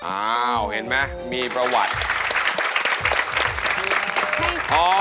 อ้าวเห็นไหมมีประวัติ